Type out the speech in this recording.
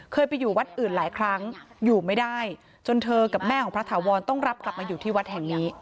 ไปอยู่วัดอื่นหลายครั้งอยู่ไม่ได้จนเธอกับแม่ของพระถาวรต้องรับกลับมาอยู่ที่วัดแห่งนี้